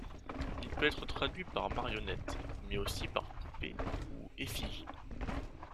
Il peut être traduit par marionnette, mais aussi par poupée ou effigie.